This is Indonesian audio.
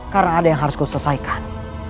karena ada yang harus kusesaikan